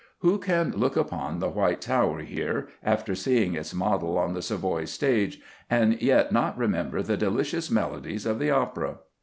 Who can look upon the White Tower here, after seeing its model on the Savoy stage, and yet not remember the delicious melodies of the opera?